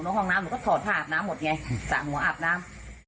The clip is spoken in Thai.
ห้องน้ำหนูก็ถอดผ้าอาบน้ำหมดไงสระหัวอาบน้ำ